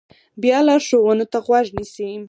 بیا لارښوونو ته غوږ نیسي.